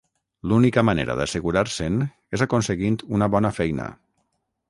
L'única manera d'assegurar-se'n és aconseguint una bona feina